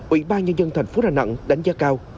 ủy ban nhân dân thành phố đà nẵng đánh giá cao